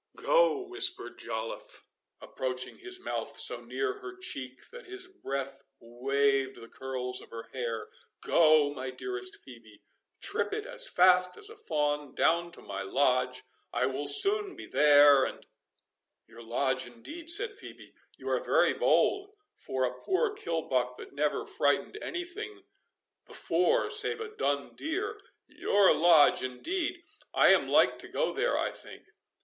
"Go," whispered Joliffe, approaching his mouth so near her cheek, that his breath waved the curls of her hair; "go, my dearest Phœbe, trip it as fast as a fawn down to my lodge—I will soon be there, and"— "Your lodge, indeed" said Phœbe; "you are very bold, for a poor kill buck that never frightened any thing before save a dun deer—Your lodge, indeed!—I am like to go there, I think."